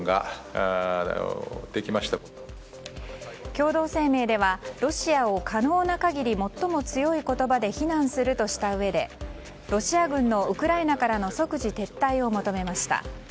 共同声明ではロシアを、可能な限り最も強い言葉で非難するとしたうえでロシア軍のウクライナからの即時撤退を求めました。